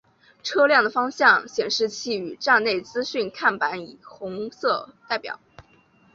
车辆的方向显示器与站内资讯看板以红色代表。